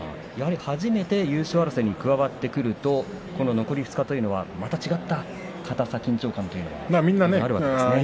初めて優勝争いに加わってくると残り２日というのはまた違った硬さ緊張感があるんですね。